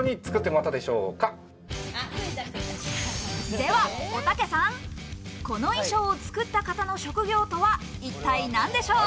では、おたけさん、この衣装を作った方の職業とは一体なんでしょう？